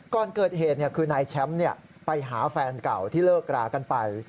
ก่อนเกิดเหตุคือนายแชมป์ไปหาแฟนเก่าที่เลิกรากันไป